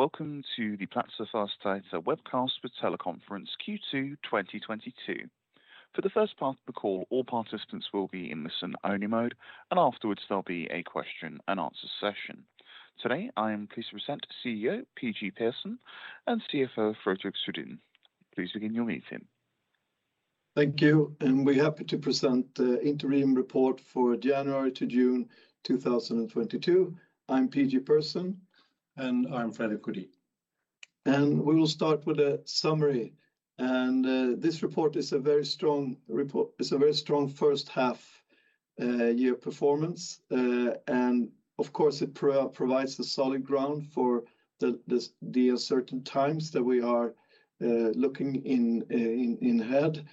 Welcome to the Platzer Fastigheter webcast for teleconference Q2 2022. For the first part of the call, all participants will be in listen only mode, and afterwards there'll be a question-and-answer session. Today I am pleased to present CEO Per-Gunnar Persson and CFO Fredrik Sjödin. Please begin your meeting. Thank you, and we're happy to present the interim report for January to June 2022. I'm Per-Gunnar Persson. I'm Fredrik Sjödin. We will start with a summary. This report is a very strong report. It's a very strong first half year performance. Of course, it provides the solid ground for the uncertain times that we are looking ahead.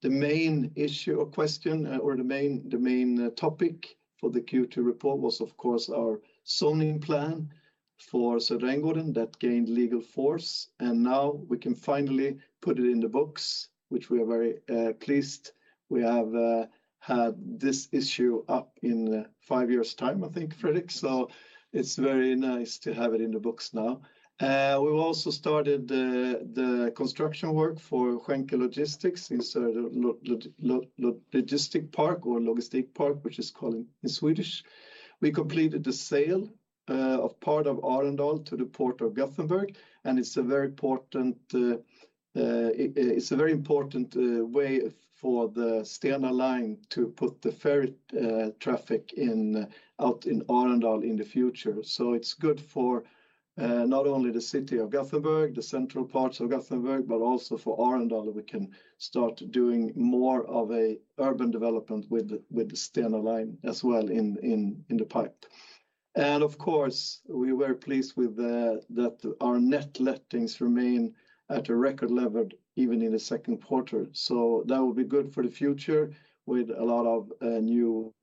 The main issue or question or the main topic for the Q2 report was of course our zoning plan for Södra Änggården that gained legal force, and now we can finally put it in the books, which we are very pleased. We have had this issue open for five years' time I think, Fredrik. It's very nice to have it in the books now. We've also started the construction work for Schenker Logistics in Sörred Logistikpark, which is called in Swedish. We completed the sale of part of Arendal to the Port of Gothenburg, and it's a very important way for the Stena Line to put the ferry traffic in, out in Arendal in the future. It's good for not only the city of Gothenburg, the central parts of Gothenburg, but also for Arendal that we can start doing more of a urban development with the Stena Line as well in the pipeline. Of course, we were pleased with that our net lettings remain at a record level even in the second quarter. That will be good for the future with a lot of new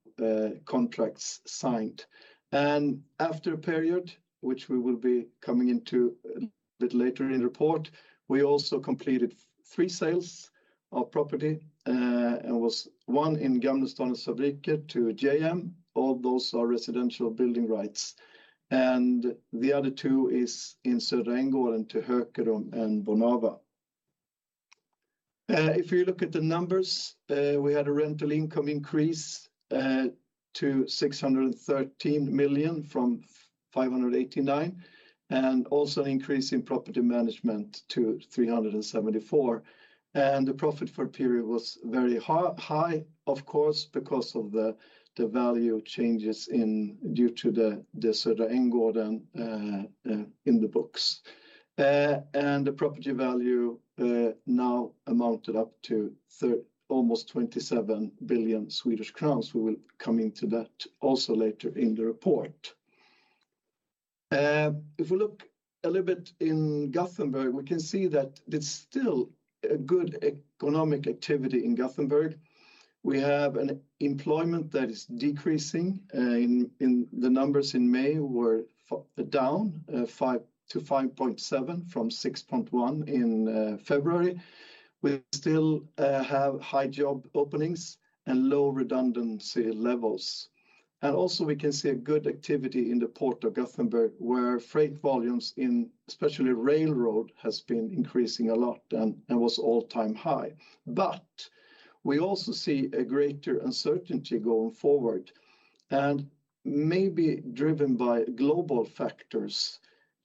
contracts signed. After period, which we will be coming into a bit later in report, we also completed 3 sales of property, and was one in Gamlestadens Fabriker to JM. All those are residential building rights, and the other two is in Södra Änggården to Hökerum and Bonava. If you look at the numbers, we had a rental income increase to 613 million from 589 million, and also increase in property management to 374 million. The profit for period was very high of course because of the value changes due to the Södra Änggården in the books. And the property value now amounted up to almost 27 billion Swedish crowns. We will come into that also later in the report. If we look a little bit in Gothenburg, we can see that there's still a good economic activity in Gothenburg. We have an employment that is decreasing. The numbers in May were down 5-5.7 from 6.1 in February. We still have high job openings and low redundancy levels. We can see a good activity in the Port of Gothenburg, where freight volumes in especially railroad has been increasing a lot and was all-time high. We also see a greater uncertainty going forward and maybe driven by global factors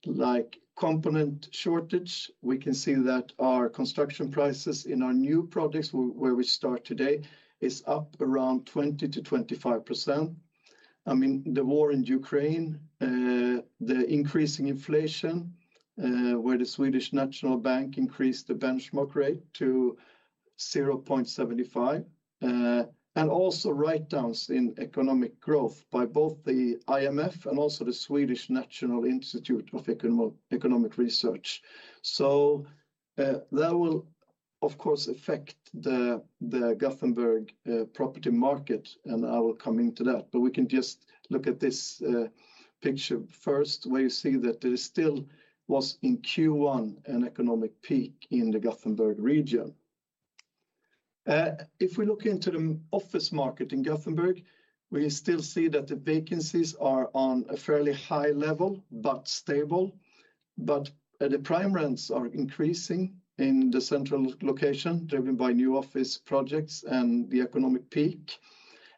like component shortage. We can see that our construction prices in our new projects where we start today is up around 20%-25%. I mean, the war in Ukraine, the increasing inflation, where the Sveriges Riksbank increased the benchmark rate to 0.75, and also writedowns in economic growth by both the International Monetary Fund and also the Swedish National Institute of Economic Research. That will of course affect the Gothenburg property market, and I will come into that. We can just look at this picture first where you see that there still was in Q1 an economic peak in the Gothenburg region. If we look into the office market in Gothenburg, we still see that the vacancies are on a fairly high level but stable. The prime rents are increasing in the central location driven by new office projects and the economic peak.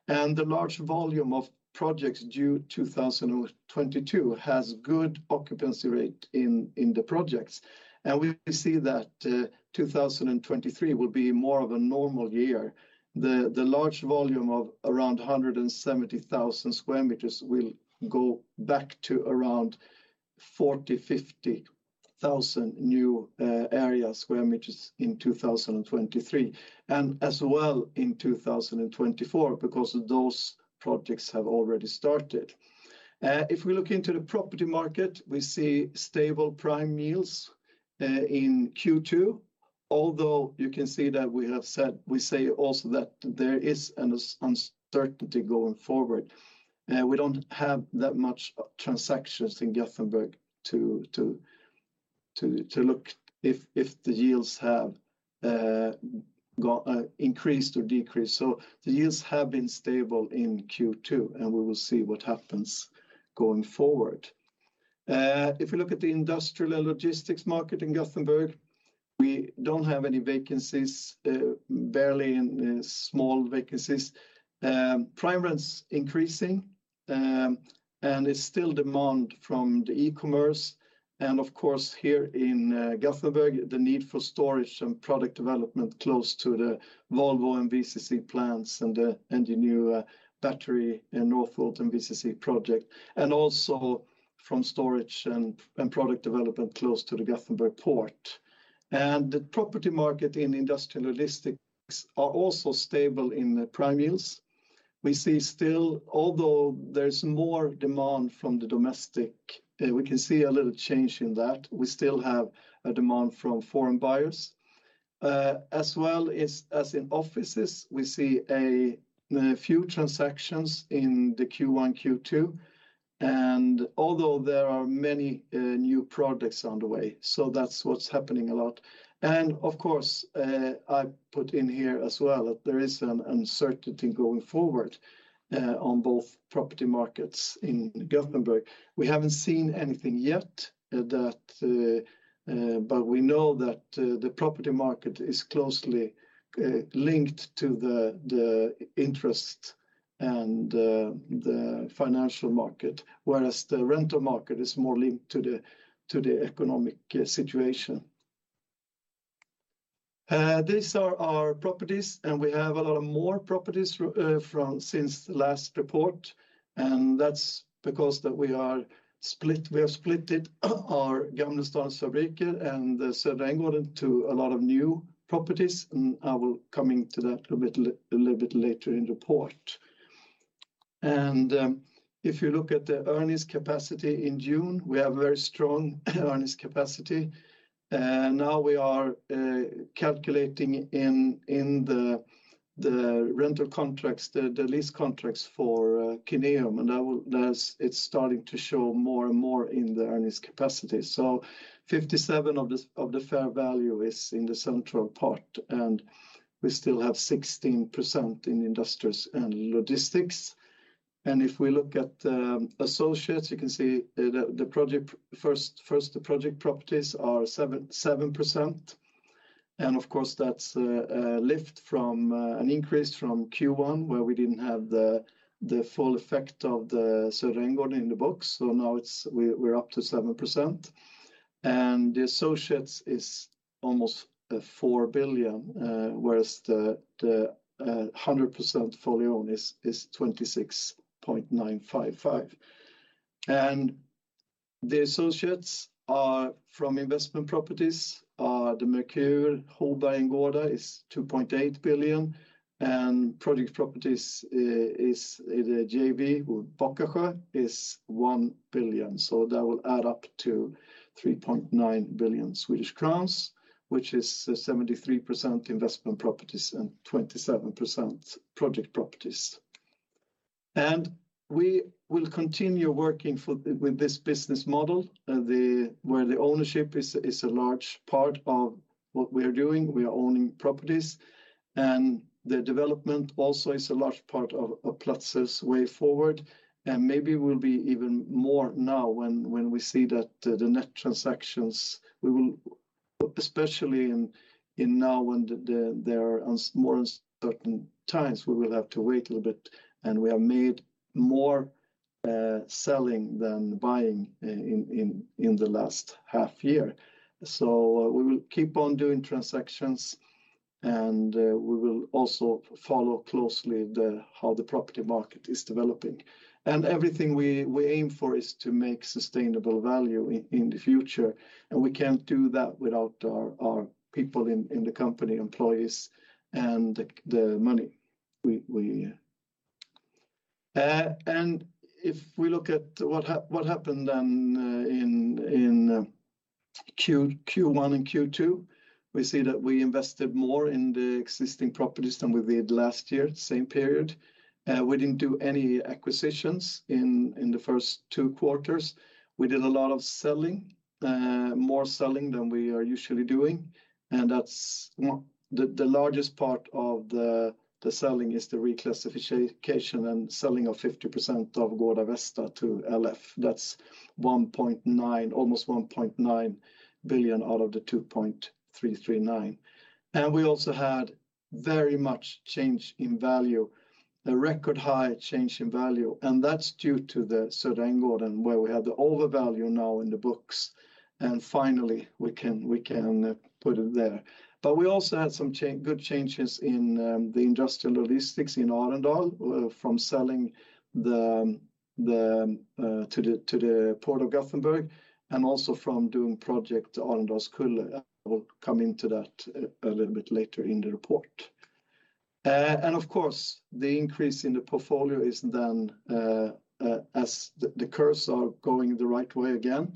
The large volume of projects due 2022 has good occupancy rate in the projects. We see that 2023 will be more of a normal year. The large volume of around 170,000 square meters will go back to around 40,000-50,000 new area square meters in 2023 and as well in 2024 because those projects have already started. If we look into the property market, we see stable prime yields in Q2, although you can see that we have said, we say also that there is an uncertainty going forward. We don't have that much transactions in Gothenburg to look if the yields have increased or decreased. The yields have been stable in Q2, and we will see what happens going forward. If you look at the industrial and logistics market in Gothenburg, we don't have any vacancies, barely in small vacancies. Prime rent's increasing, and there's still demand from the e-commerce, and of course, here in Gothenburg, the need for storage and product development close to the Volvo and VCC plants and the new battery in Northvolt and VCC project. Also from storage and product development close to the Gothenburg port. The property market in industrial logistics are also stable in the prime yields. We see still, although there's more demand from the domestic, we can see a little change in that. We still have a demand from foreign buyers. As well as in offices, we see a few transactions in the Q1, Q2. Although there are many new projects on the way, so that's what's happening a lot. Of course, I put in here as well that there is an uncertainty going forward on both property markets in Gothenburg. We haven't seen anything yet. We know that the property market is closely linked to the interest and the financial market, whereas the rental market is more linked to the economic situation. These are our properties, and we have a lot more properties from since the last report. That's because we have split. We have split our Gamlestadens Fabriker and the Södra Änggården to a lot of new properties, and I will come to that a little bit later in the report. If you look at the earnings capacity in June, we have very strong earnings capacity. Now we are calculating in the rental contracts, the lease contracts for Kineum, and that's starting to show more and more in the earnings capacity. 57% of the fair value is in the central part, and we still have 16% in industrials and logistics. If we look at associates, you can see the project properties are 7%. Of course, that's a lift from an increase from Q1, where we didn't have the full effect of the Södra Änggården in the books. Now we're up to 7%. The associates is almost 4 billion, whereas the 100% fully owned is 26.955 billion. The assets are from investment properties, are the Merkur, Holbergsgatan is 2.8 billion, and project properties is the JV with Backasjö is 1 billion. That will add up to 3.9 billion Swedish crowns, which is 73% investment properties and 27% project properties. We will continue working with this business model, where the ownership is a large part of what we are doing. We are owning properties, and the development also is a large part of Platzer's way forward. Maybe we'll be even more now when we see that the net transactions we will, especially now when there are more uncertain times, we will have to wait a little bit. We have made more selling than buying in the last half year. We will keep on doing transactions, and we will also follow closely how the property market is developing. Everything we aim for is to make sustainable value in the future, and we can't do that without our people in the company, employees, and the money. If we look at what happened then in Q1 and Q2, we see that we invested more in the existing properties than we did last year, same period. We didn't do any acquisitions in the first two quarters. We did a lot of selling, more selling than we are usually doing, and that's the largest part of the selling is the reclassification and selling of 50% of Gårda Västra to Länsförsäkringar. That's almost 1.9 billion out of the 2.339 billion. We also had very much change in value, a record high change in value, and that's due to the Södra Änggården, where we have the over value now in the books. Finally, we can put it there. We also had some good changes in the industrial logistics in Arendal from selling the to the Port of Gothenburg, and also from doing project Arendalskullen. I will come into that a little bit later in the report. Of course, the increase in the portfolio is then as the curves are going the right way again.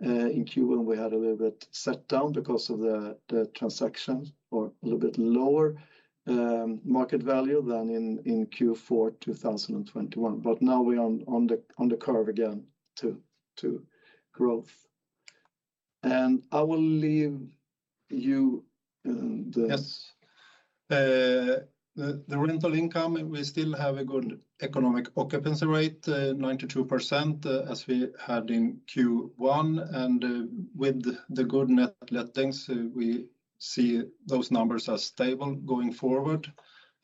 In Q1, we had a little bit set down because of the transactions or a little bit lower market value than in Q4 2021. Now we're on the curve again to growth. I will leave you and the- Yes. The rental income, we still have a good economic occupancy rate, 92%, as we had in Q1. With the good net lettings, we see those numbers are stable going forward.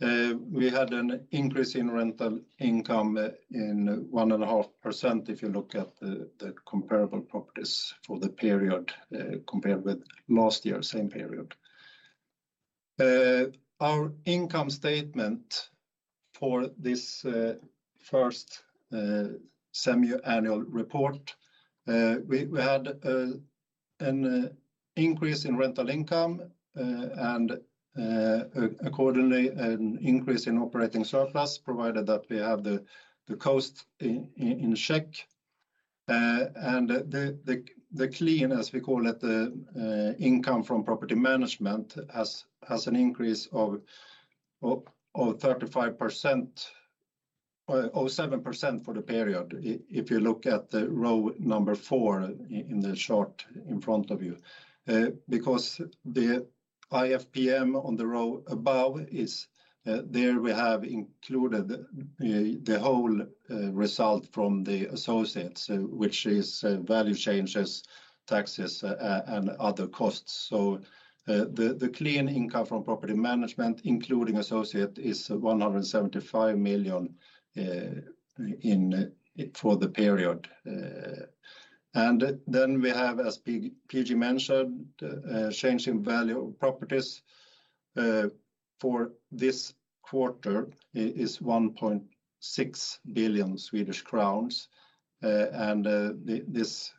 We had an increase in rental income, in 1.5% if you look at the comparable properties for the period, compared with last year same period. Our income statement for this first semiannual report, we had an increase in rental income. Accordingly, an increase in operating surplus, provided that we have the cost in check. The clean, as we call it, the income from property management has an increase of 35%. of 7% for the period if you look at the row number four in the chart in front of you. Because the IFPM on the row above is, there we have included the whole result from the associates, which is value changes, taxes, and other costs. The clean income from property management, including associate, is 175 million for the period. And then we have, as PG mentioned, a change in value of properties for this quarter is 1.6 billion Swedish crowns. This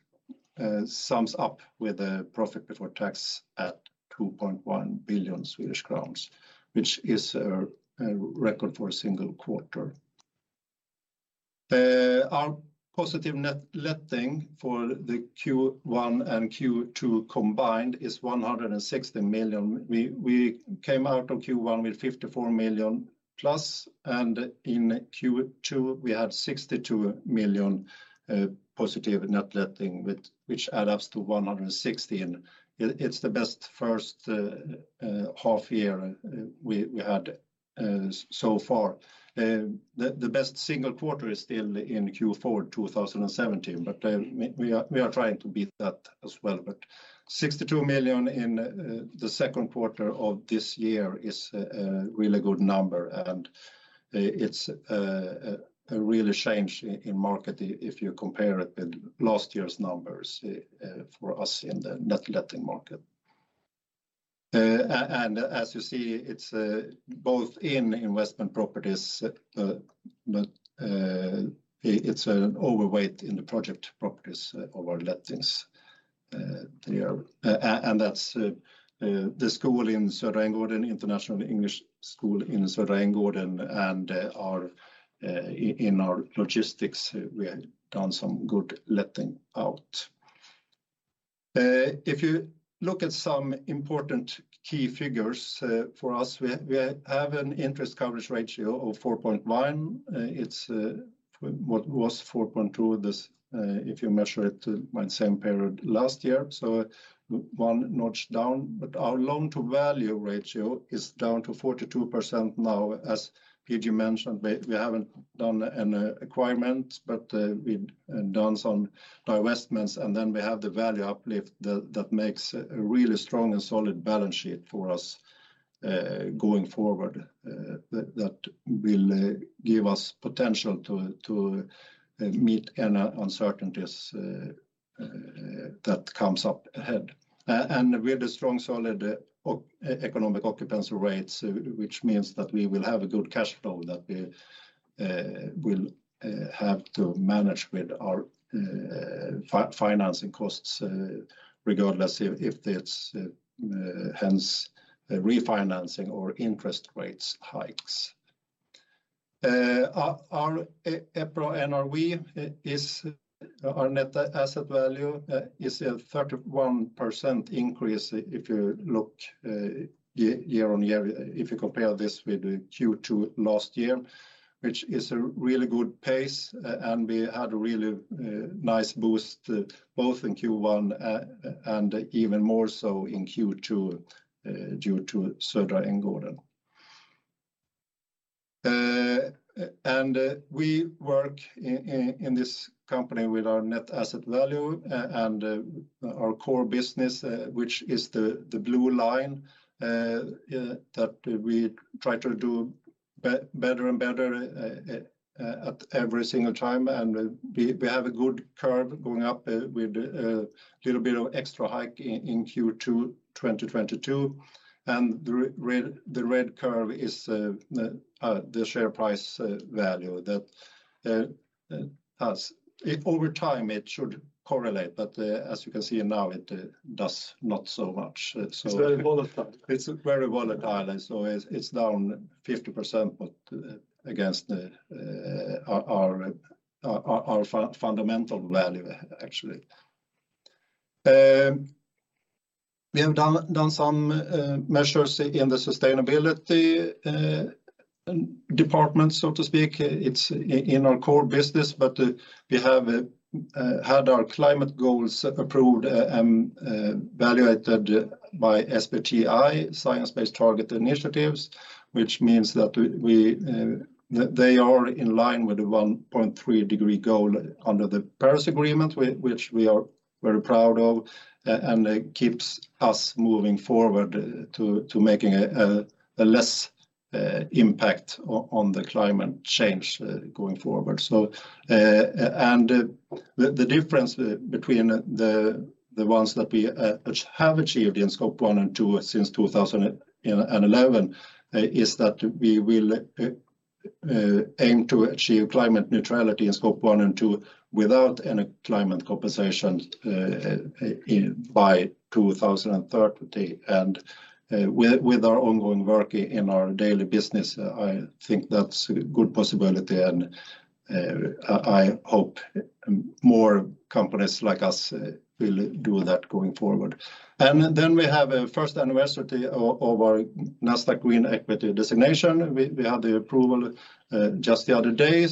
sums up with the profit before tax at 2.1 billion Swedish crowns, which is a record for a single quarter. Our positive net letting for the Q1 and Q2 combined is 160 million. We came out of Q1 with 54 million plus, and in Q2, we had 62 million positive net letting, which adds up to 160. It's the best first half year we had so far. The best single quarter is still in Q4 2017, but we are trying to beat that as well. 62 million in the second quarter of this year is a really good number, and it's a real change in market if you compare it with last year's numbers for us in the net letting market. And as you see, it's both in investment properties, but it's an overweight in the project properties of our lettings there. That's the school in Södra Änggården, Internationella Engelska Skolan in Södra Änggården, and in our logistics, we have done some good letting out. If you look at some important key figures for us, we have an interest coverage ratio of 4.1. It's what was 4.2 this if you measure it by the same period last year, so one notch down. Our loan-to-value ratio is down to 42% now. As PG mentioned, we haven't done a requirement, but we've done some divestments, and then we have the value uplift that makes a really strong and solid balance sheet for us going forward. That will give us potential to meet any uncertainties that comes up ahead. With the strong, solid economic occupancy rates, which means that we will have a good cash flow that we will have to manage with our financing costs, regardless if it's new refinancing or interest rate hikes. Our EPRA NRV is our net asset value, is a 31% increase if you look year-on-year, if you compare this with Q2 last year, which is a really good pace. We had a really nice boost both in Q1 and even more so in Q2 due to Södra Änggården. We work in this company with our net asset value and our core business, which is the blue line that we try to do better and better at every single time. We have a good curve going up with a little bit of extra hike in Q2 2022. The red curve is the share price value. Over time, it should correlate, but as you can see now, it does not so much. It's very volatile. It's very volatile. It's down 50% but against our fundamental value actually. We have done some measures in the sustainability department, so to speak. It's in our core business, but we have had our climate goals approved, evaluated by SBTi, Science Based Targets initiative, which means that they are in line with the 1.5-Degree Goal under the Paris Agreement, which we are very proud of, and it keeps us moving forward to making a less impact on the climate change going forward. The difference between the ones that we have achieved in Scope One and Two since 2011 is that we will aim to achieve climate neutrality in Scope One and Two without any climate compensation by 2030. With our ongoing work in our daily business, I think that's a good possibility, and I hope more companies like us will do that going forward. Then we have a first anniversary of our Nasdaq Green Equity Designation. We had the approval just the other day.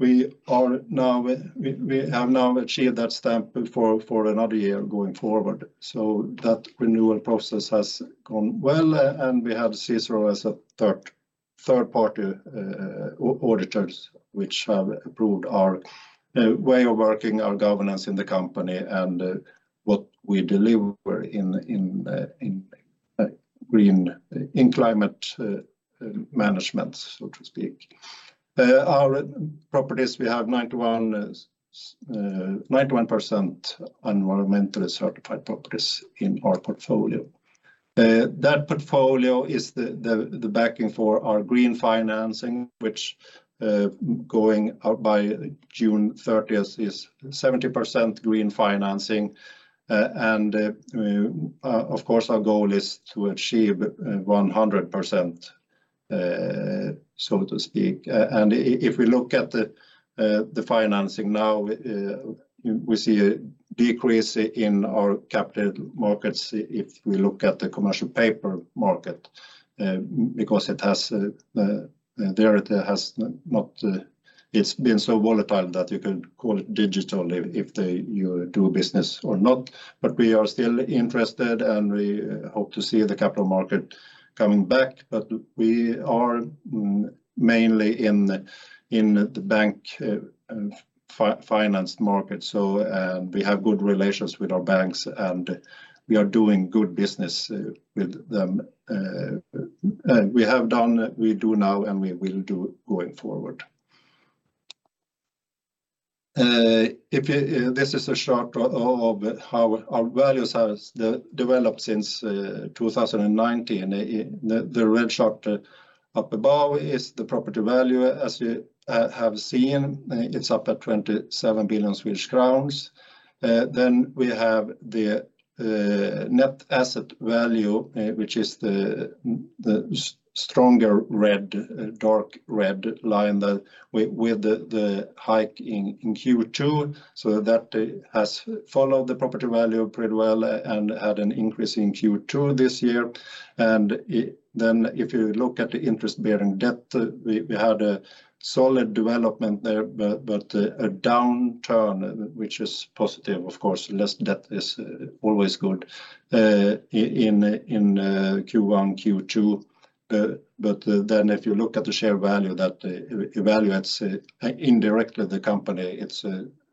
We are now. We have now achieved that stamp for another year going forward. That renewal process has gone well, and we have CICERO as a third-party auditors, which have approved our way of working, our governance in the company, and what we deliver in green climate managements, so to speak. Our properties, we have 91% environmentally certified properties in our portfolio. That portfolio is the backing for our green financing, which going out by June 30 is 70% green financing. And of course, our goal is to achieve 100%, so to speak. If we look at the financing now, we see a decrease in our capital markets if we look at the commercial paper market, because it has. There it has not. It's been so volatile that you could call it digital. You do business or not. We are still interested, and we hope to see the capital market coming back. We are mainly in the bank finance market, so we have good relations with our banks, and we are doing good business with them. We have done, we do now, and we will do going forward. This is a chart of how our values has developed since 2019. The red chart up above is the property value. As you have seen, it's up at 27 billion Swedish crowns. Then we have the net asset value, which is the stronger red, dark red line that with the hike in Q2. That has followed the property value pretty well and had an increase in Q2 this year. Then if you look at the interest-bearing debt, we had a solid development there, but a downturn, which is positive, of course. Less debt is always good in Q1, Q2, but then if you look at the share value that valuates indirectly the company,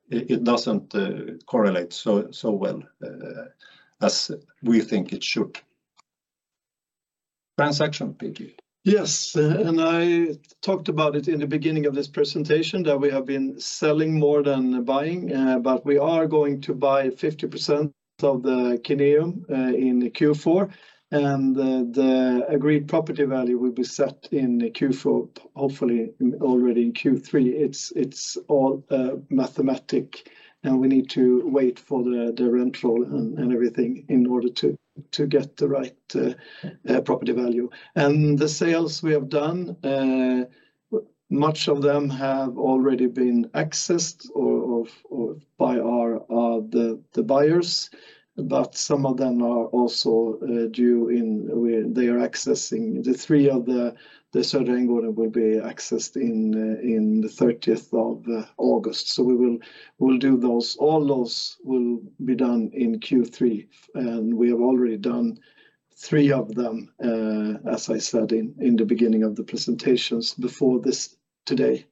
it doesn't correlate so well as we think it should. Transaction, Per-Gunnar Persson. Yes. I talked about it in the beginning of this presentation that we have been selling more than buying, but we are going to buy 50% of the Kineum in Q4, and the agreed property value will be set in Q4, hopefully already in Q3. It's all mathematical, and we need to wait for the rental and everything in order to get the right property value. The sales we have done, much of them have already been assessed or by the buyers. But some of them are also due in. They are assessing. The three of the Södra Änggården will be assessed in the 30th of August. We will do those. All those will be done in Q3, and we have already done three of them, as I said in the beginning of the presentations before this today.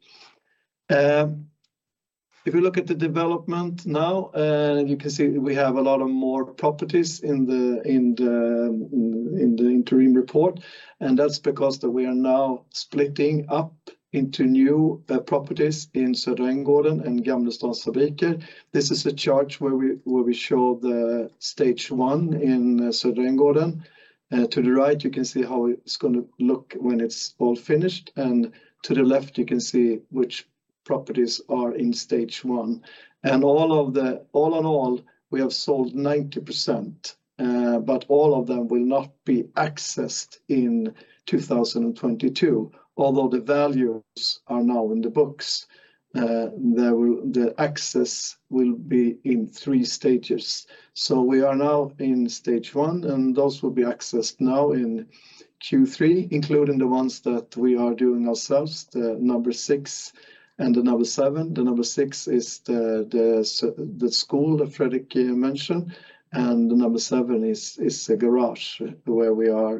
If you look at the development now, you can see we have a lot more properties in the interim report, and that's because we are now splitting up into new properties in Södra Änggården and Gamlestadens Fabriker. This is a chart where we show the stage one in Södra Änggården. To the right, you can see how it's gonna look when it's all finished, and to the left, you can see which properties are in stage one. All in all, we have sold 90%, but all of them will not be accessed in 2022. Although the values are now in the books, the acquisitions will be in three stages. We are now in stage 1, and those will be acquired now in Q3, including the ones that we are doing ourselves, number 6 and number 7. Number 6 is the school that Fredrik mentioned, and number 7 is a garage where we are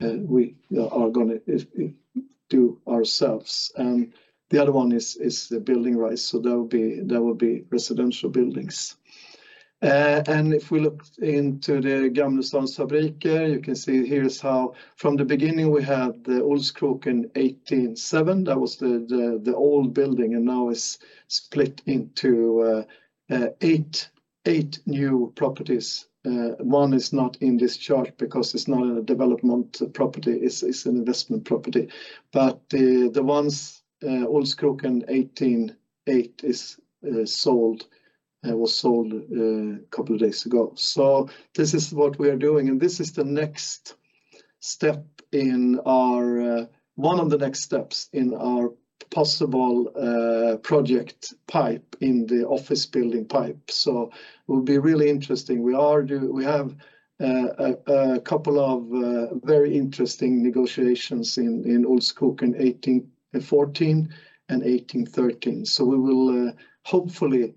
gonna do ourselves. The other one is the building, right? That would be residential buildings. If we look into Gamlestadens Fabriker, you can see here how from the beginning we had the Olskroken 187. That was the old building, and now it's split into 8 new properties. One is not in this chart because it's not a development property. It's an investment property. The ones, Olskroken 188 is sold, was sold a couple of days ago. This is what we are doing, and this is the next step in our one of the next steps in our possible project pipeline, in the office building pipeline. It will be really interesting. We have a couple of very interesting negotiations in Olskroken 1814 and 1813. We will hopefully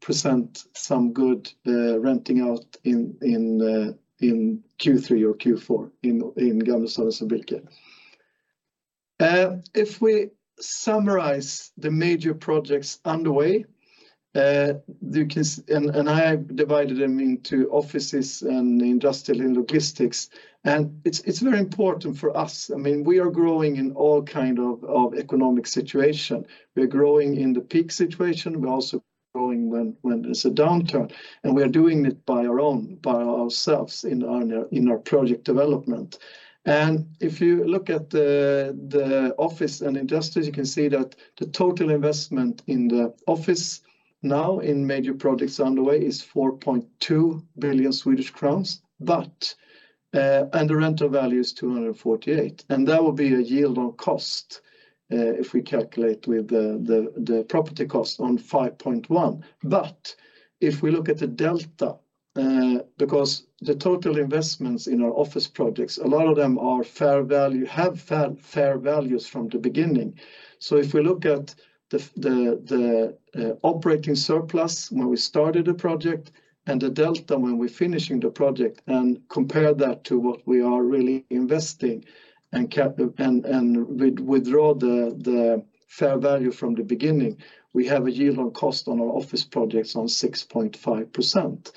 present some good renting out in Q3 or Q4 in Gamlestadens Fabriker. If we summarize the major projects underway, you can, and I divided them into offices and industrial and logistics. It's very important for us. I mean, we are growing in all kind of economic situation. We're growing in the peak situation. We're also growing when there's a downturn, and we are doing it by ourselves in our project development. If you look at the office and industrial, you can see that the total investment in the office now in major projects underway is 4.2 billion Swedish crowns. The rental value is 248, and that would be a yield on cost if we calculate with the property cost on 5.1. If we look at the delta, because the total investments in our office projects, a lot of them are fair value, have fair values from the beginning. If we look at the operating surplus when we started the project and the delta when we're finishing the project and compare that to what we are really investing and withdraw the fair value from the beginning, we have a yield on cost of our office projects of 6.5%.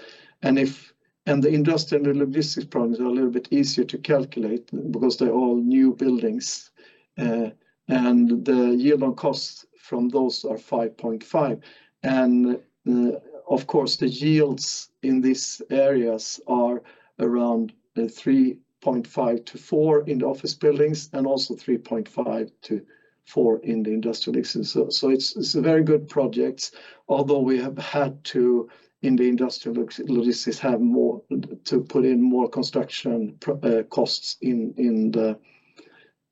The industrial and logistics projects are a little bit easier to calculate because they're all new buildings. The yield on costs from those are 5.5%. Of course, the yields in these areas are around 3.5%-4% in the office buildings and also 3.5%-4% in the industrial leases. It's a very good project, although we have had to in the industrial logistics have more to put in more construction costs in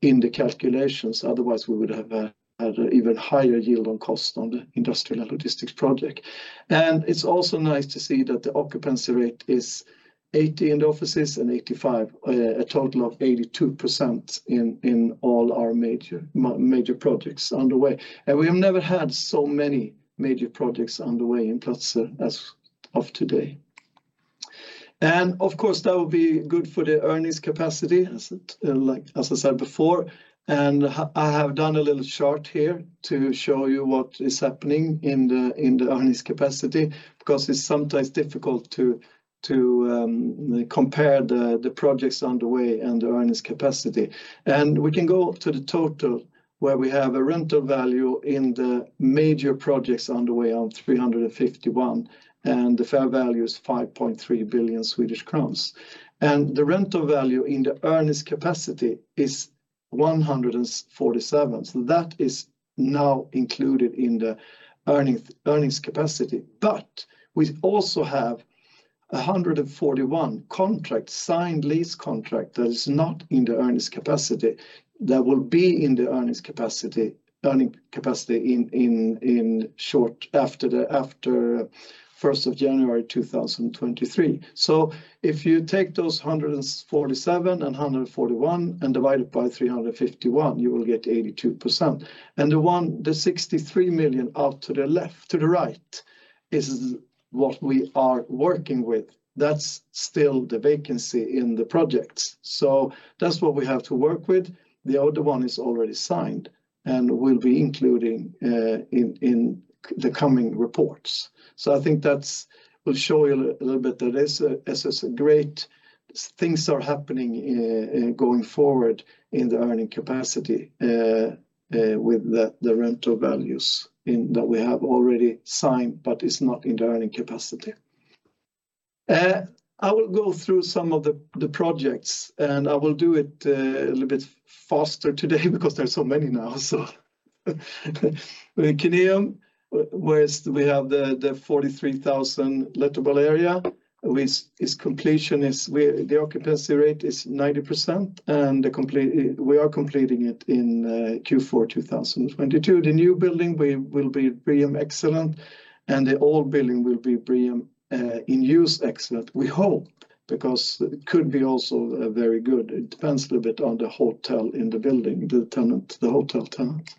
the calculations. Otherwise, we would have had an even higher yield on cost on the industrial and logistics project. It's also nice to see that the occupancy rate is 80% in the offices and 85%, a total of 82% in all our major projects underway. We have never had so many major projects underway in Platzer as of today. Of course, that would be good for the earnings capacity as it like as I said before. I have done a little chart here to show you what is happening in the earnings capacity because it's sometimes difficult to compare the projects underway and the earnings capacity. We can go to the total, where we have a rental value in the major projects underway of 351, and the fair value is 5.3 billion Swedish crowns. The rental value in the earnings capacity is 147. That is now included in the earnings capacity. We also have 141 in signed lease contracts that is not in the earnings capacity, that will be in the earnings capacity in short after the first of January 2023. If you take those 147 and 141 and divide it by 351, you will get 82%. The one, the 63 million out to the left, to the right is what we are working with. That's still the vacancy in the projects. That's what we have to work with. The other one is already signed and will be including in the coming reports. I think that will show you a little bit that there's a great things are happening going forward in the earning capacity with the rental values in that we have already signed but is not in the earning capacity. I will go through some of the projects, and I will do it a little bit faster today because there's so many now. Kineum, whereas we have the 43,000 lettable area, which its completion is where the occupancy rate is 90%, and we are completing it in Q4 2022. The new building will be BREEAM excellent, and the old building will be BREEAM in use excellent, we hope, because it could be also very good. It depends a little bit on the hotel in the building, the tenant, the hotel tenant.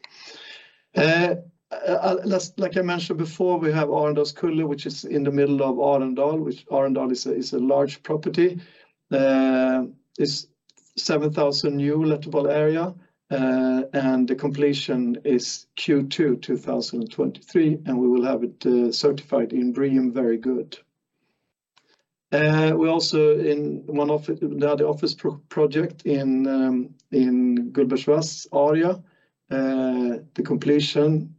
Like I mentioned before, we have Arendalskullen, which is in the middle of Arendal, which Arendal is a large property. It's 7,000 new lettable area, and the completion is Q2 2023, and we will have it certified in BREEAM very good. We also in one office, the other office project in Gullbergsvass, Aria. The completion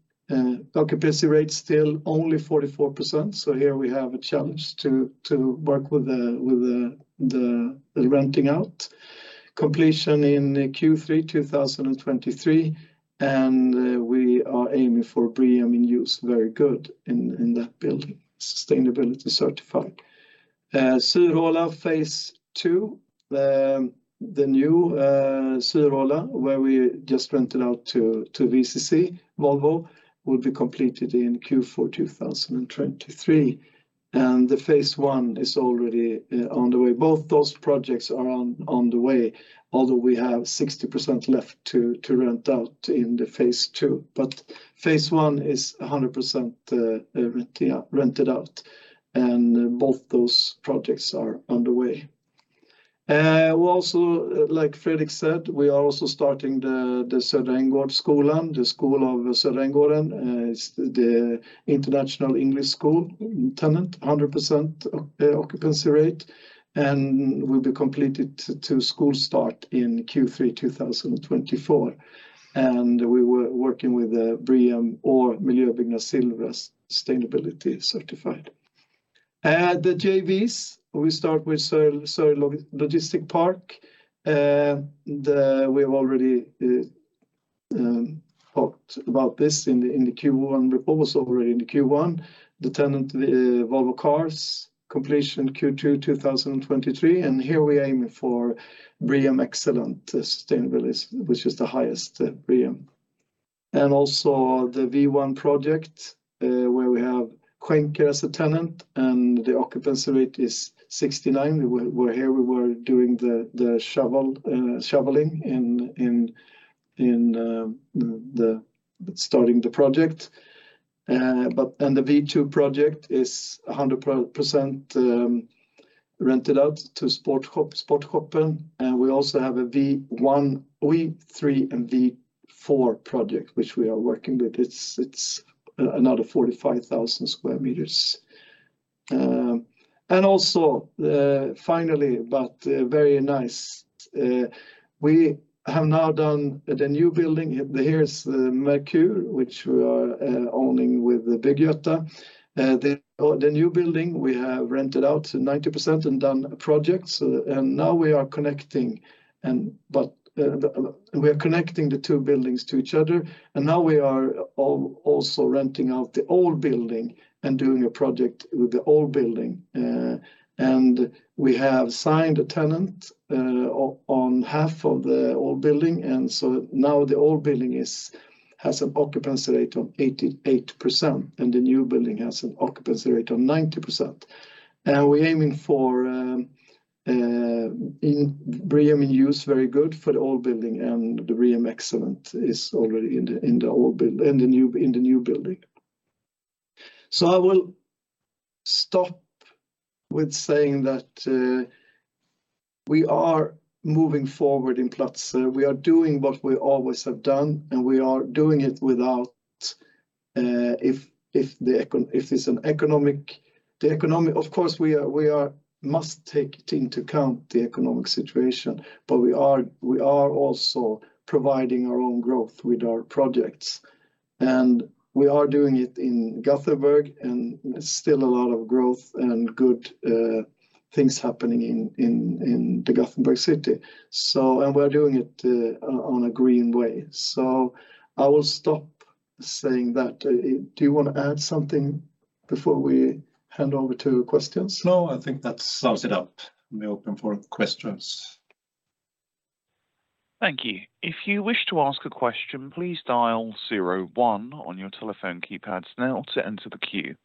occupancy rate still only 44%, so here we have a challenge to work with the renting out. Completion in Q3 2023, we are aiming for BREEAM in use very good in that building. Sustainability certified. Sörred phase II. The new Sörred, where we just rented out to VCC, Volvo, will be completed in Q4 2023. The phase I is already on the way. Both those projects are on the way, although we have 60% left to rent out in the phase II. Phase I is 100% re-rented out, and both those projects are on the way. We also, like Fredrik said, we are also starting the Södra Änggårdsskolan, the school of Södra Änggården. It's the Internationella Engelska Skolan tenant. 100% occupancy rate, and will be completed to school start in Q3 2024. We were working with the BREEAM or Miljöbyggnad Silver sustainability certified. The JVs, we start with Sörred Logistikpark. We've already talked about this in the Q1 report. It was already in the Q1. The tenant, Volvo Cars. Completion Q2 2023, and here we're aiming for BREEAM Excellent sustainability, which is the highest BREEAM. Also the V1 project, where we have Schenker as a tenant, and the occupancy rate is 69%. We're here, we were doing the shoveling starting the project. The V2 project is 100% rented out to Sportshopen. We also have a V1, V3 and V4 project which we are working with. It's another 45,000 square meters. We have now done the new building. Here is the Merkur, which we are owning with the Bygg-Göta. The new building we have rented out to 90% and done projects, and now we are connecting the two buildings to each other, and now we are also renting out the old building and doing a project with the old building. We have signed a tenant on half of the old building. Now the old building has an occupancy rate of 88%, and the new building has an occupancy rate of 90%. We're aiming for BREEAM in use very good for the old building, and the BREEAM excellent is already in the new building. I will stop with saying that we are moving forward in Platzer. We are doing what we always have done, and we are doing it without if it's an economic, the economic. Of course, we must take into account the economic situation. We are also providing our own growth with our projects. We are doing it in Gothenburg, and still a lot of growth and good things happening in the Gothenburg city. We're doing it in a green way. I will stop saying that. Do you wanna add something before we hand over to questions? No, I think that sums it up. I'm open for questions. Thank you. If you wish to ask a question, please dial zero one on your telephone keypads now to enter the queue.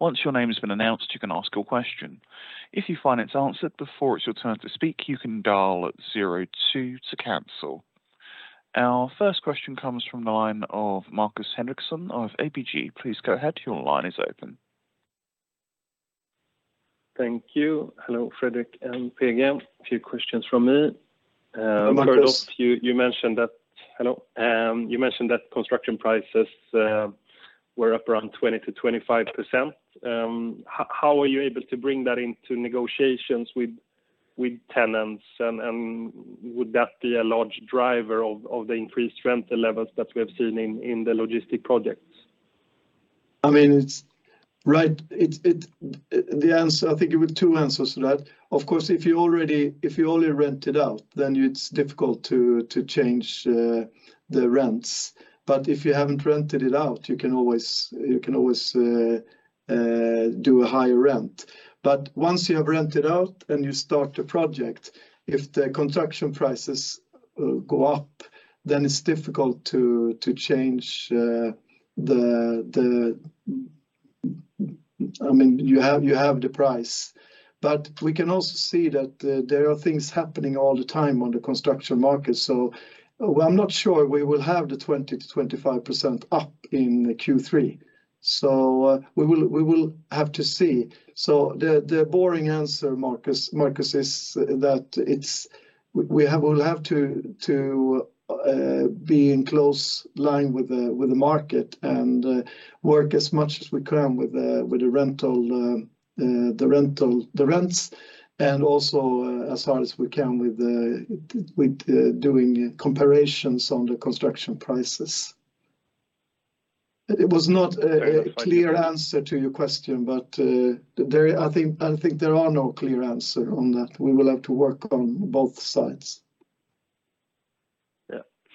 Once your name has been announced, you can ask your question. If you find it's answered before it's your turn to speak, you can dial zero two to cancel. Our first question comes from the line of Marcus Henriksson of ABG. Please go ahead. Your line is open. Thank you. Hello, Fredrik and PG. A few questions from me. Marcus. First off, you mentioned that construction prices were up around 20%-25%. How are you able to bring that into negotiations with With tenants and would that be a large driver of the increased rental levels that we have seen in the logistics projects? I mean, it's right. The answer, I think it was two answers to that. Of course, if you only rent it out, then it's difficult to change the rents. If you haven't rented it out, you can always do a higher rent. Once you have rented out and you start a project, if the construction prices go up, then it's difficult to change the price. I mean, you have the price. We can also see that there are things happening all the time on the construction market. I'm not sure we will have the 20%-25% up in Q3. We will have to see. The boring answer, Marcus, is that we will have to be in close line with the market and work as much as we can with the rents, and also as hard as we can with doing comparisons on the construction prices. It was not a- Very much. Clear answer to your question, but, there I think there are no clear answer on that. We will have to work on both sides.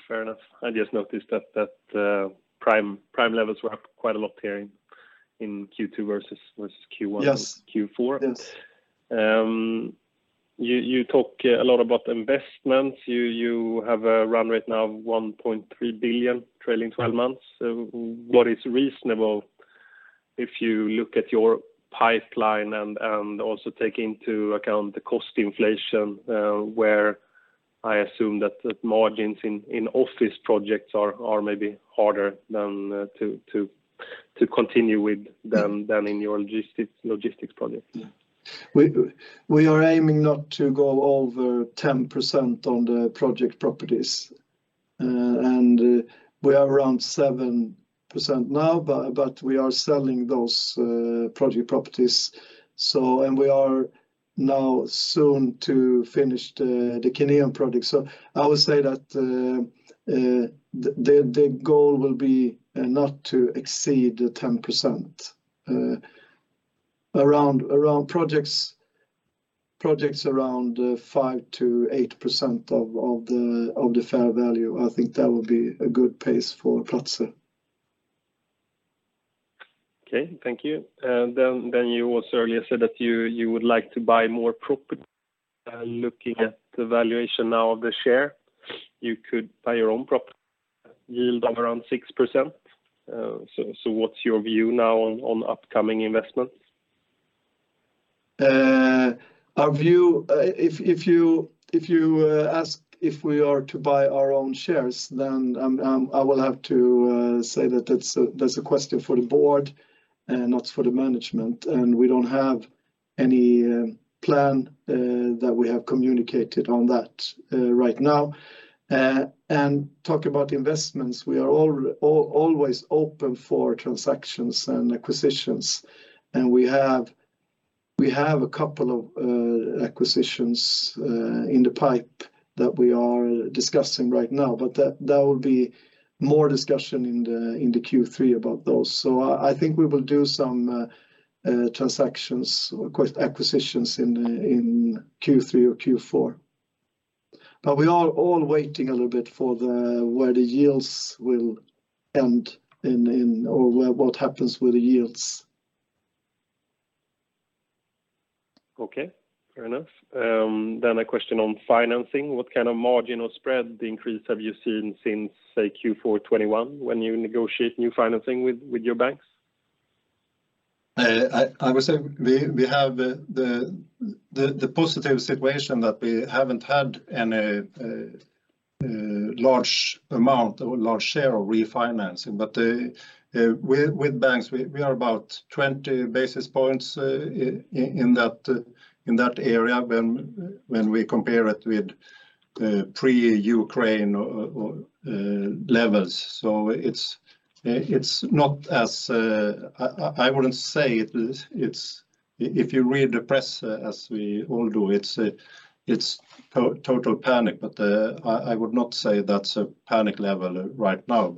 Yeah, fair enough. I just noticed that prime levels were up quite a lot here in Q2 versus Q1. Yes Q4. Yes. You talk a lot about investments. You have a run rate right now of 1.3 billion trailing 12 months. What is reasonable if you look at your pipeline and also take into account the cost inflation, where I assume that the margins in office projects are maybe harder to continue with than in your logistics projects? We are aiming not to go over 10% on the project properties, and we are around 7% now, but we are selling those project properties. We are now soon to finish the Kineum project. I would say that the goal will be not to exceed the 10%, around projects around 5%-8% of the fair value. I think that would be a good pace for Platzer. Okay, thank you. You also earlier said that you would like to buy more property. Looking at the valuation now of the share, you could buy your own property yield of around 6%. What's your view now on upcoming investments? Our view, if you ask if we are to buy our own shares, then I will have to say that that's a question for the board, not for the management. We don't have any plan that we have communicated on that right now. Talk about investments, we are always open for transactions and acquisitions. We have a couple of acquisitions in the pipeline that we are discussing right now, but that will be more discussion in the Q3 about those. I think we will do some transactions, acquisitions in Q3 or Q4. We are all waiting a little bit for where the yields will end in or what happens with the yields. Okay, fair enough. A question on financing. What kind of marginal spread increase have you seen since, say, Q4 2021 when you negotiate new financing with your banks? I would say we have the positive situation that we haven't had any large amount or large share of refinancing. With banks, we are about 20 basis points in that area when we compare it with pre-Ukraine levels. I wouldn't say it's. If you read the press, as we all do, it's total panic. I would not say that's a panic level right now.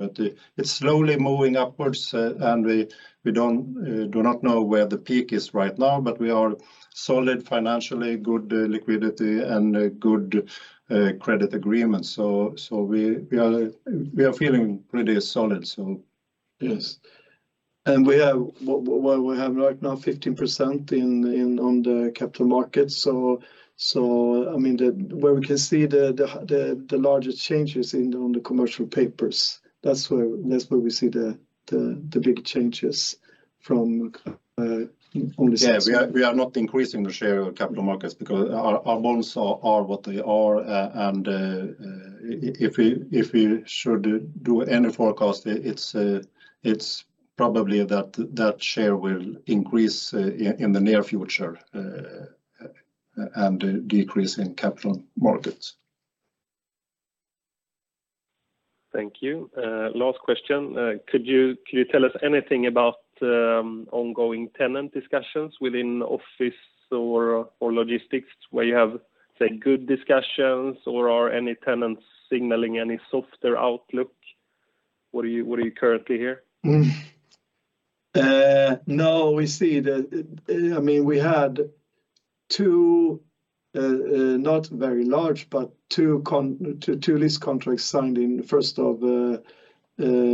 It's slowly moving upwards, and we do not know where the peak is right now, but we are solid financially, good liquidity, and good credit agreements. We are feeling pretty solid. Yes. We have right now 15% in on the capital markets. I mean, where we can see the largest changes in on the commercial papers, that's where we see the big changes from. We are not increasing the share of capital markets because our bonds are what they are. If we should do any forecast, it's probably that share will increase in the near future, and decrease in capital markets. Thank you. Last question. Could you tell us anything about ongoing tenant discussions within office or logistics where you have, say, good discussions? Or are any tenants signaling any softer outlook? What do you currently hear? No, we see the. I mean, we had two not very large, but two lease contracts signed in 1st of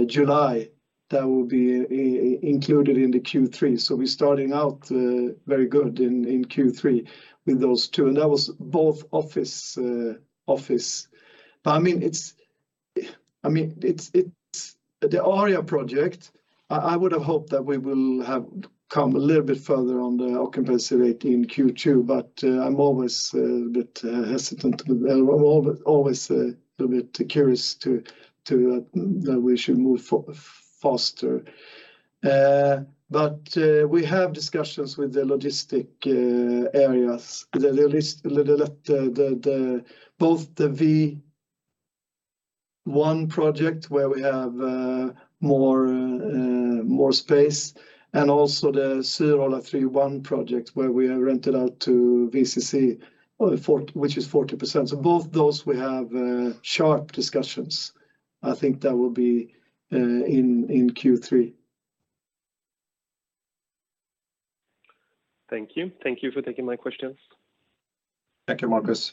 July that will be included in the Q3. We're starting out very good in Q3 with those two, and that was both office. I mean, it's the Aria project. I would have hoped that we will have come a little bit further on the occupancy rate in Q2, but I'm always a bit hesitant. I'm always a little bit cautious to that we should move faster. But we have discussions with the logistics areas. Both the V1 project where we have more space, and also the Sörred 3:1 project where we are rented out to VCC, which is 40%. Both those we have sharp discussions. I think that will be in Q3. Thank you. Thank you for taking my questions. Thank you, Marcus.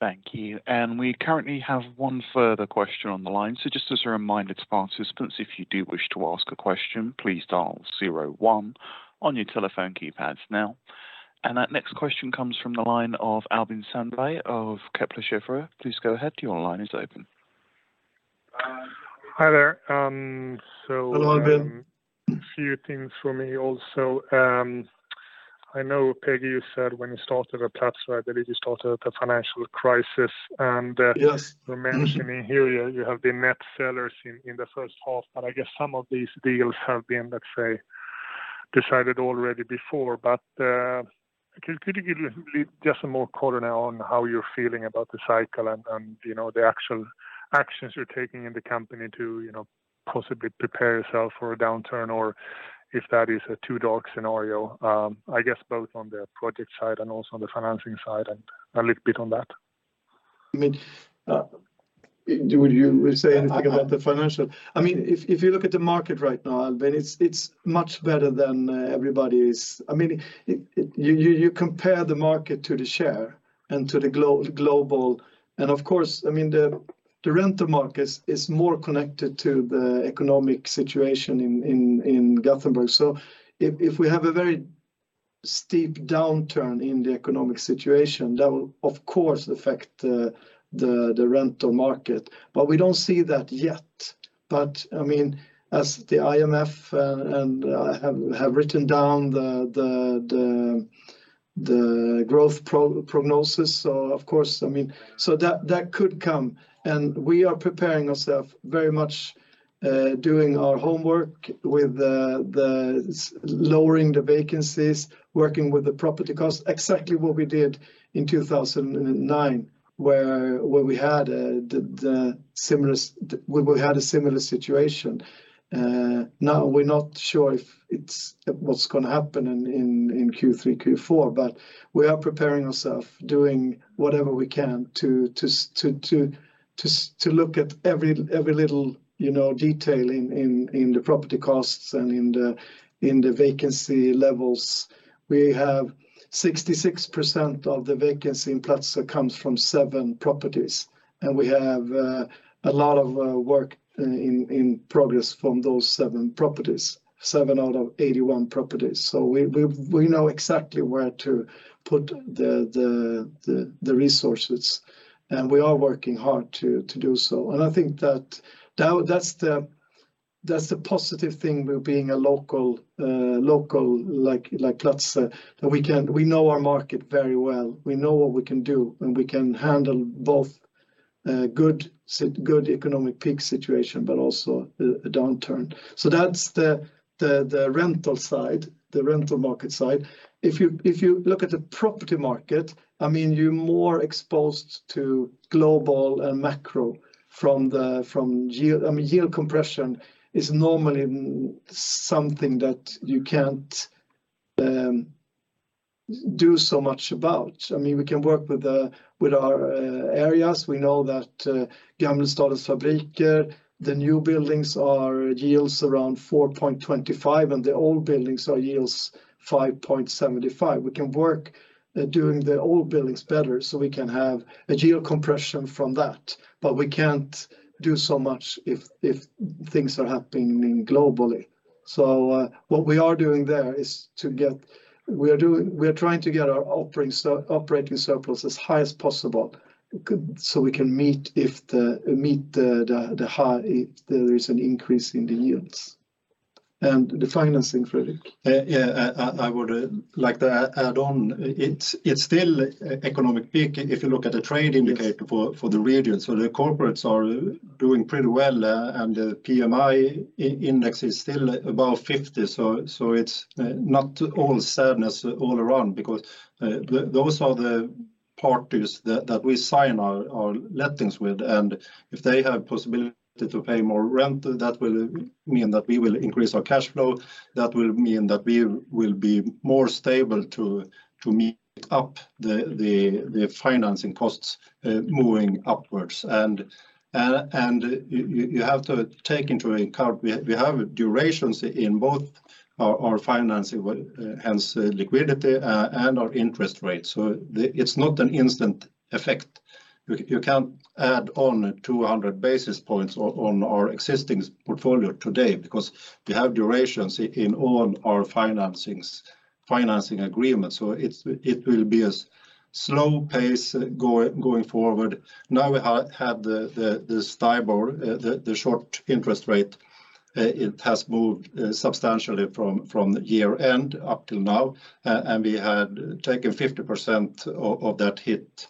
Thank you. We currently have one further question on the line. Just as a reminder to participants, if you do wish to ask a question, please dial zero one on your telephone keypads now. That next question comes from the line of Albin Sandberg of Kepler Cheuvreux. Please go ahead. Your line is open. Hi there. Hello, Albin. A few things for me also. I know, P-G Persson, you said when you started the Platzer Fastigheter, I believe you started the financial crisis and you're mentioning here you have been net sellers in the first half, but I guess some of these deals have been, let's say, decided already before. Could you give just some more color now on how you're feeling about the cycle and you know, the actual actions you're taking in the company to you know, possibly prepare yourself for a downturn? Or if that is a two dog scenario, I guess both on the project side and also on the financing side and a little bit on that. I mean, do you say anything about the financial? I mean, if you look at the market right now, Albin, it's much better than everybody's. I mean, you compare the market to the share and to the global. Of course, I mean, the rental market is more connected to the economic situation in Gothenburg. If we have a very steep downturn in the economic situation, that will of course affect the rental market. We don't see that yet. I mean, as the IMF and have written down the growth prognosis, so of course, I mean, that could come and we are preparing ourselves very much, doing our homework with lowering the vacancies, working with the property cost, exactly what we did in 2009, where we had a similar situation. Now we're not sure if it's what's gonna happen in Q3, Q4, but we are preparing ourselves, doing whatever we can to look at every little, you know, detail in the property costs and in the vacancy levels. We have 66% of the vacancy in Platzer comes from seven properties. We have a lot of work in progress from those 7 properties, 7 out of 81 properties. We know exactly where to put the resources, and we are working hard to do so. I think that's the positive thing with being a local like Platzer. We know our market very well. We know what we can do, and we can handle both good economic peak situation, but also a downturn. That's the rental side, the rental market side. If you look at the property market, I mean, you're more exposed to global and macro. I mean, yield compression is normally something that you can't do so much about. I mean, we can work with our areas. We know that Gamlestadens Fabriker, the new buildings are yields around 4.25%, and the old buildings are yields 5.75%. We can work doing the old buildings better, so we can have a yield compression from that. But we can't do so much if things are happening globally. What we are doing there is to get our operating surplus as high as possible, so we can meet the hike if there is an increase in the yields. The financing, Fredrik. Yeah, I would like to add on. It's still economic peak if you look at the trade indicator for the region. The corporates are doing pretty well, and the PMI index is still above 50. It's not all sadness all around because those are the parties that we sign our lettings with, and if they have possibility to pay more rent, that will mean that we will increase our cash flow. That will mean that we will be more stable to meet the financing costs moving upwards. You have to take into account, we have durations in both our financing and liquidity, and our interest rates. It's not an instant effect. You can't add on 200 basis points on our existing portfolio today because we have durations in all our financing agreements. It will be a slow pace going forward. Now we have the Stibor, the short interest rate. It has moved substantially from year-end up till now. We had taken 50% of that hit,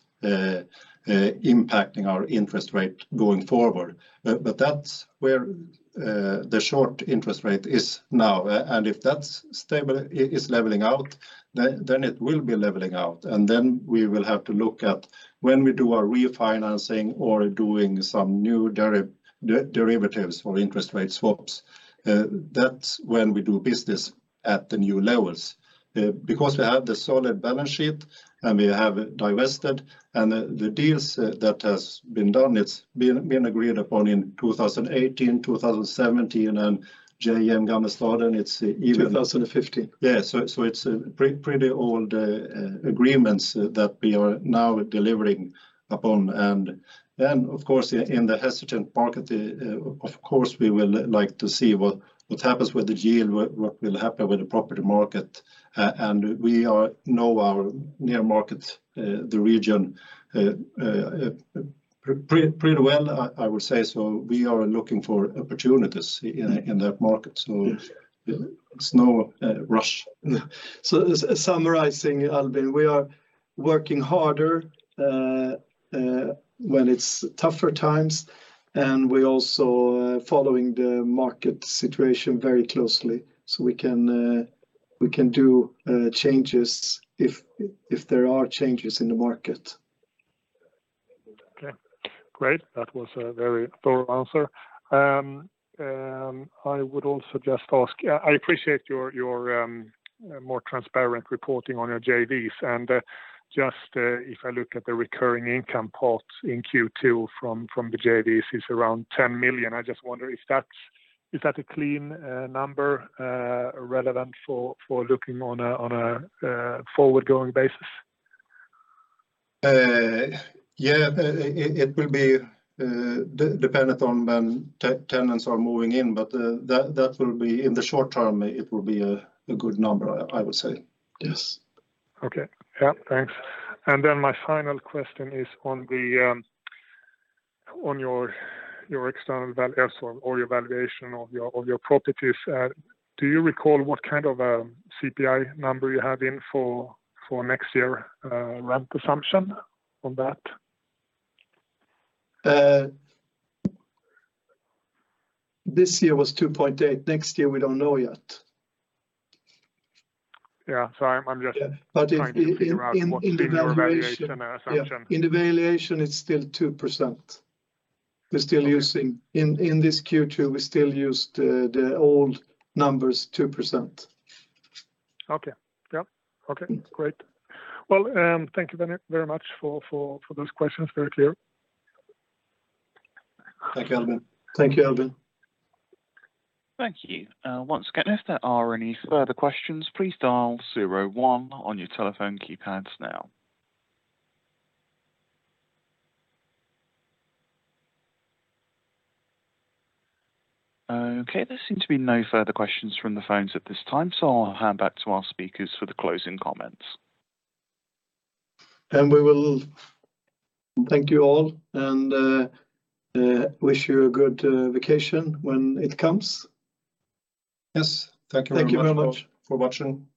impacting our interest rate going forward. But that's where the short interest rate is now. If that's stable, is leveling out, then it will be leveling out, and then we will have to look at when we do our refinancing or doing some new derivatives for interest rate swaps, that's when we do business at the new levels. Because we have the solid balance sheet, and we have divested, and the deals that has been done, it's been agreed upon in 2018, 2017, and JM Gamlestaden it's even 2015. Yeah. So it's pretty old agreements that we are now delivering upon. Then, of course, in the hesitant market, of course, we would like to see what happens with the yield, what will happen with the property market. We know our near market, the region, pretty well, I would say. We are looking for opportunities in that market. Yes. There's no rush. Summarizing, Albin, we are working harder when it's tougher times, and we're also following the market situation very closely, so we can do changes if there are changes in the market. Okay. Great. That was a very thorough answer. I would also just ask. I appreciate your more transparent reporting on your JVs. Just, if I look at the recurring income part in Q2 from the JVs is around 10 million. I just wonder if that's a clean number relevant for looking on a forward-going basis? Yeah. It will be dependent on when tenants are moving in, but that will be. In the short term, it will be a good number, I would say. Yes. Okay. Yeah. Thanks. My final question is on your valuation of your properties. Do you recall what kind of CPI number you have in for next year, rent assumption on that? This year was 2.8. Next year, we don't know yet. Yeah. Sorry, I'm just trying to figure out what. But in. Would be your valuation assumption? Yeah. In the valuation, it's still 2%. We're still using. In this Q2, we still use the old numbers, 2%. Okay. Yeah. Okay. Great. Well, thank you very, very much for those questions. Very clear. Thank you, Albin. Thank you, Albin. Thank you. Once again, if there are any further questions, please dial zero one on your telephone keypads now. Okay, there seem to be no further questions from the phones at this time, so I'll hand back to our speakers for the closing comments. We will thank you all and wish you a good vacation when it comes. Yes. Thank you very much for. Thank you very much. for watching.